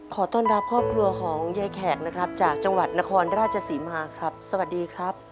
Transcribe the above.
ขอต้อนรับครอบครัวของยายแขกนะครับจากจังหวัดนครราชศรีมาครับสวัสดีครับ